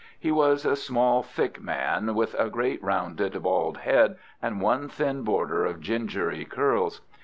He was a small, thick man, with a great rounded, bald head and one thin border of gingery curls.